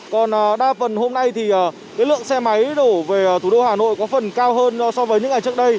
còn đa phần hôm nay thì cái lượng xe máy đổ về thủ đô hà nội có phần cao hơn so với những ngày trước đây